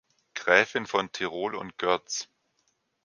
Gräfin von Tirol und Görz.